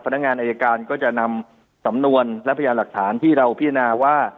พนักงานอายการก็จะนำสำนวนและพยานหลักฐานที่เราพิจารณาว่า